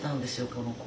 この子。